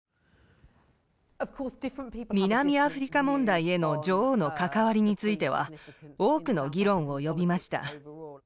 南アフリカ問題への女王の関わりについては多くの議論を呼びました。